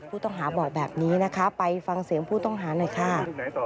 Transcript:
ผู้ต้องหาบอกแบบนี้นะคะไปฟังเสียงผู้ต้องหาหน่อยค่ะ